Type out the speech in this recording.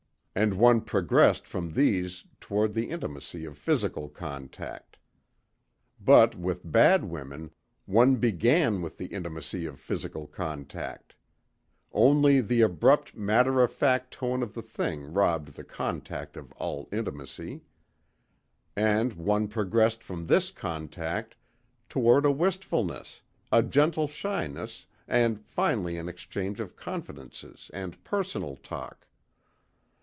And one progressed from these toward the intimacy of physical contact. But with bad women one began with the intimacy of physical contact. Only the abrupt matter of fact tone of the thing robbed the contact of all intimacy. And one progressed from this contact toward a wistfulness, a gentle shyness and finally an exchange of confidences and personal talk.